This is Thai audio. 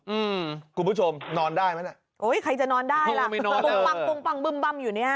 อืมคุณผู้ชมนอนได้ไหมน่ะโอ้ยใครจะนอนได้ล่ะบึ้มบั้มอยู่เนี้ย